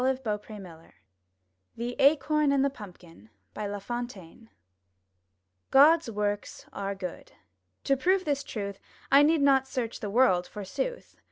289 M Y BOOK HOUSE THE ACORN AND THE PUMPKIN La Fontaine God's works are good. To prove this truth I need not search the world, forsooth!